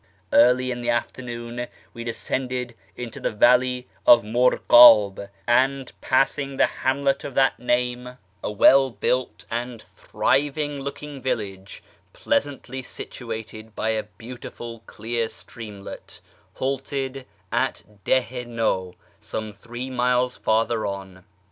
Early in the afternoon we descended into the valley of Murghab, and, passing the hamlet of that name (a well built 238 A YEAR AMONGST THE PERSIANS and thrivinj^ looking village, pleasantly situaicd by a bcaulilul clear streamlet) lialted at l)ih i Naw, some three miles farther on.